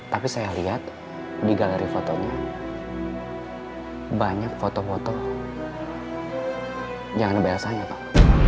tapi saya lihat di galeri fotonya banyak foto foto yang ada mbak elsa nya pak